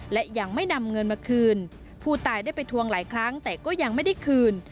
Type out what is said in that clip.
และยังไม่นำเงินมาคืนผู้ตายได้ไปทวงหลายครั้งแต่ก็ยังไม่ได้คืน